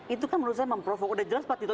itu kan menurut saya memprovoka udah jelas pak tito